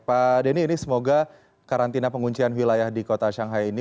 pak denny ini semoga karantina penguncian wilayah di kota shanghai ini